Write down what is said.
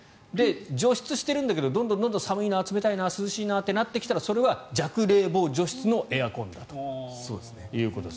除湿してるんだけどどんどん寒いな、冷たいな涼しいなってなってきたらそれは弱冷房除湿のエアコンだということです。